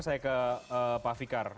saya ke pak fikar